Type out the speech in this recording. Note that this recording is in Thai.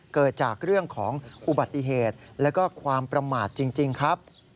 เกิดจากเรื่องของอุบัติเหตุแล้วก็ความประมาทจริงครับ